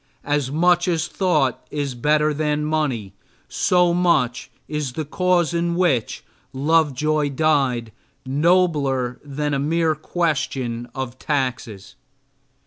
As much as thought is better than money, so much is the cause in which Lovejoy died nobler than a mere question of taxes.